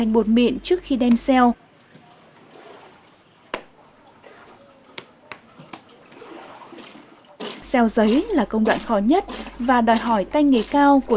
bột mịn trước khi đem xeo giấy là công đoạn khó nhất và đòi hỏi tay nghề cao của